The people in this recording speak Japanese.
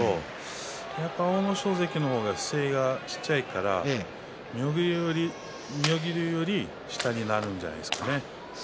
やはり阿武咲関の方が姿勢が小さいので妙義龍より下になるんじゃないですかね。